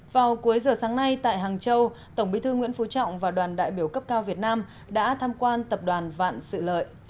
vào cuối giờ sáng nay tại hàng châu tổng bí thư nguyễn phú trọng và đoàn đại biểu cấp cao việt nam đã tham quan tập đoàn vạn sự lợi